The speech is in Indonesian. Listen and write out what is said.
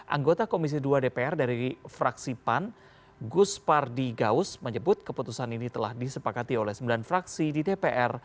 anggota komisi dua dpr dari fraksi pan gus pardi gaus menyebut keputusan ini telah disepakati oleh sembilan fraksi di dpr